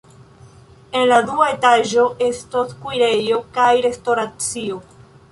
En la dua etaĝo estos kuirejo kaj restoracio.